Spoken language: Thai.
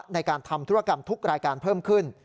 ในการทำธุรกรรมทุกรายการเพิ่มขึ้น